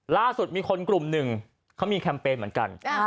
ล่าสุดมีคนกลุ่มหนึ่งเขามีแคมเปญเหมือนกัน